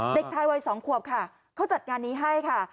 เด็กชายวัย๒ขวบค่ะเขาจัดงานนี้ให้ค่ะ